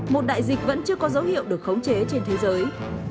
một đại dịch vẫn chưa có dấu hiệu được khống chế trên thế giới